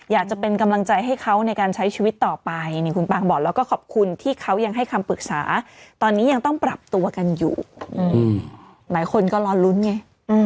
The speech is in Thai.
อยากจะเป็นกำลังใจให้เขาในการใช้ชีวิตต่อไปนี่คุณปางบอกแล้วก็ขอบคุณที่เขายังให้คำปรึกษาตอนนี้ยังต้องปรับตัวกันอยู่หลายคนก็รอลุ้นไง